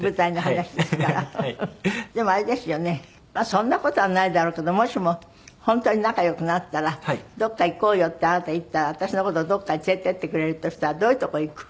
そんな事はないだろうけどもしも本当に仲良くなったらどこか行こうよってあなた言ったら私の事どこかへ連れて行ってくれるとしたらどういう所行く？